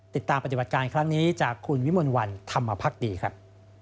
ติดตามปฏิบัติการครั้งนี้จากคุณวิมลวันธรรมภักดีครับ